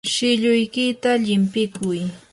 shilluykita llimpikuy.